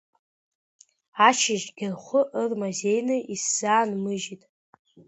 Ашьыжьгьы рхәы ырмазеины исзаанмыжьит…